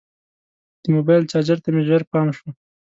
د موبایل چارجر ته مې ژر پام شو.